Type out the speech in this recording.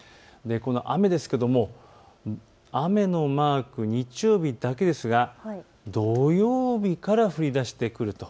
雨ですけれども雨のマーク日曜日だけですが土曜日から降りだしてくると。